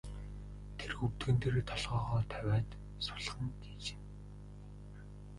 Тэр өвдгөн дээрээ толгойгоо тавиад сулхан гиншинэ.